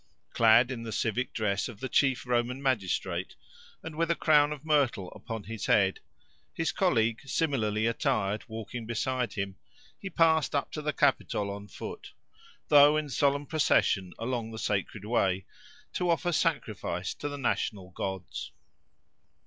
Clad in the civic dress of the chief Roman magistrate, and with a crown of myrtle upon his head, his colleague similarly attired walking beside him, he passed up to the Capitol on foot, though in solemn procession along the Sacred Way, to offer sacrifice to the national gods.